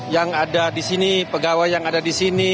yang ada di sini pegawai yang ada di sini